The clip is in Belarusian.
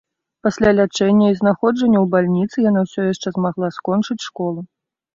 Пасля лячэння і знаходжання ў бальніцы яна ўсё яшчэ змагла скончыць школу.